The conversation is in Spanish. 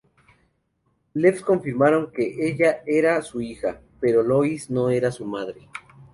Labs confirmaron que ella era su hija, pero Lois no era su madre.